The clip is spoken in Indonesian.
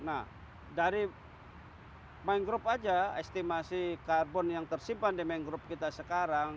nah dari mangrove aja estimasi karbon yang tersimpan di mangrove kita sekarang